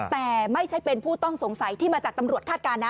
แต่ไม่ใช่เป็นผู้ต้องสงสัยที่มาจากตำรวจคาดการณ์นะ